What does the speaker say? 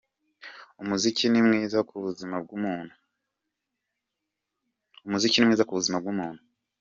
Umuziki ni mwiza ku buzima bw'umuntu.